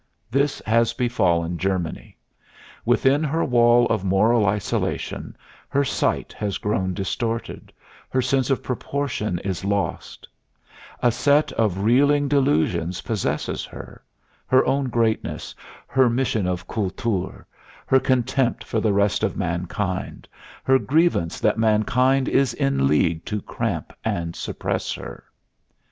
This has befallen Germany. Within her wall of moral isolation her sight has grown distorted, her sense of proportion is lost; a set of reeling delusions possesses her her own greatness, her mission of Kultur, her contempt for the rest of mankind, her grievance that mankind is in league to cramp and suppress her.